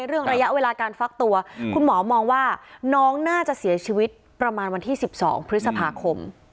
ระยะเวลาการฟักตัวคุณหมอมองว่าน้องน่าจะเสียชีวิตประมาณวันที่๑๒พฤษภาคม